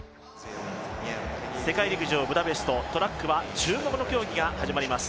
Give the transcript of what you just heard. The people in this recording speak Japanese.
世界陸上ブダペスト、トラックは注目の競技が始まります。